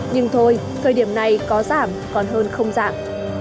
nhưng thôi thời điểm này có giảm còn hơn không dạng